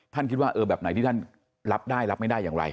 คิดว่าเออแบบไหนที่ท่านรับได้รับไม่ได้อย่างไร